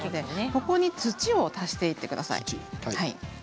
ここに土を足していってください。